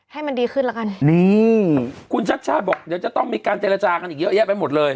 ให้มันดีขึ้นแล้วกันนี่คุณชัดชาติบอกเดี๋ยวจะต้องมีการเจรจากันอีกเยอะแยะไปหมดเลย